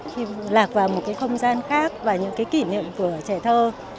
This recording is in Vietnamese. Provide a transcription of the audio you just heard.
khi lạc vào một không gian khác và những kỷ niệm của trẻ thơ